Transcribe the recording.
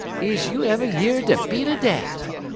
is you ever year de beat er dat?